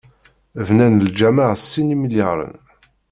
Bnan lǧameɛ s sin imelyaren.